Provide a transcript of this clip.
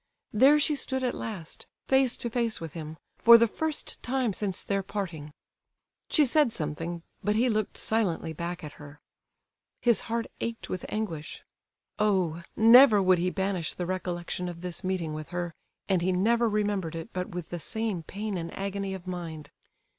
There she stood at last, face to face with him, for the first time since their parting. She said something, but he looked silently back at her. His heart ached with anguish. Oh! never would he banish the recollection of this meeting with her, and he never remembered it but with the same pain and agony of mind.